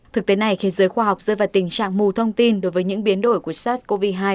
thực tế này khiến giới khoa học rơi vào tình trạng mù thông tin đối với những biến đổi của sars cov hai